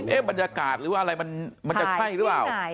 เองมันจะกะหรือมันจะใช่หรือเปล่า